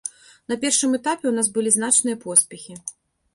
На першым этапе ў нас былі значныя поспехі.